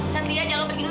satria jangan begitu